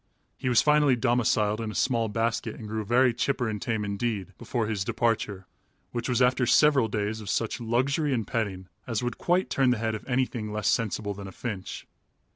He was finally domiciled in a small basket and grew very chipper and tame indeed before his departure, which was after several days of such luxury and petting as would quite turn the head of anything less sensible than a finch.